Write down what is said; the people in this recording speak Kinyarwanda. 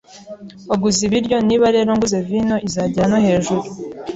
Waguze ibiryo, niba rero nguze vino izagera no hejuru.